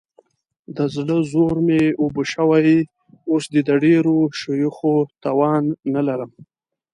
د زړه زور مې اوبه شوی، اوس دې د ډېرو شوخیو توان نه لرم.